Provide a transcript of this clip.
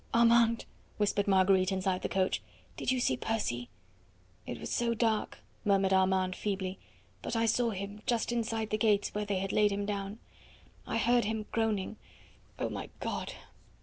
"Armand," whispered Marguerite inside the coach, "did you see Percy?" "It was so dark," murmured Armand feebly; "but I saw him, just inside the gates, where they had laid him down. I heard him groaning. Oh, my God!"